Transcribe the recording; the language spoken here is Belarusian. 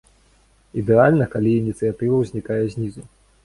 Ідэальна, калі ініцыятыва ўзнікае знізу.